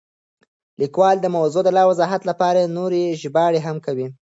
لیکوال د موضوع د لا وضاحت لپاره نورې ژباړې هم کوي.